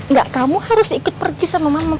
enggak kamu harus ikut pergi sama mamamu